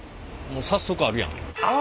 もう早速あるやん。